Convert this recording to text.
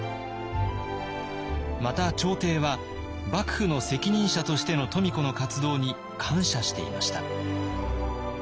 また朝廷は幕府の責任者としての富子の活動に感謝していました。